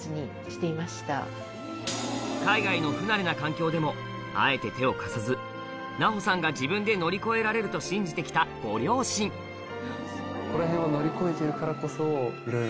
海外の不慣れな環境でもあえて手を貸さず奈穂さんが自分で乗り越えられると信じて来たご両親のかなと思うと。